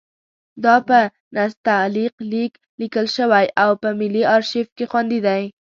دا په نستعلیق لیک لیکل شوی اوس په ملي ارشیف کې خوندي دی.